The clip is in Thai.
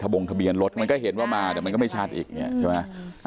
บงทะเบียนรถมันก็เห็นว่ามาแต่มันก็ไม่ชัดอีกเนี่ยใช่ไหม